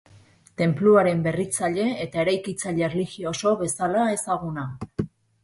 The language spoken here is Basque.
Tenpluaren berritzaile eta eraikitzaile erlijioso bezala ezaguna.